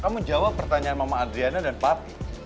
kamu jawab pertanyaan mama adriana dan papi